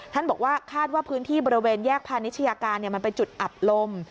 ท่านบอกว่าคาดว่าพื้นที่บริเวณแยกพาณิชยาการมันเป็นจุดอับลม